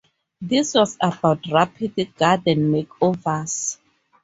This was about rapid garden makeovers.